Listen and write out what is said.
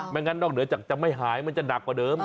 งั้นนอกเหนือจากจะไม่หายมันจะหนักกว่าเดิม